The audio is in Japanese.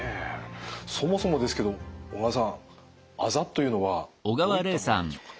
そもそもですけど小川さんあざというのはどういったものなんでしょうか。